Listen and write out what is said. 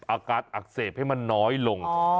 อาการอักเสบให้มันน้อยลง